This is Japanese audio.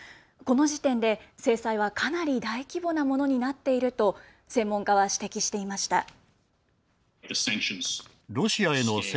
この時点で、制裁はかなり大規模なものになっていると専門家は指摘していました。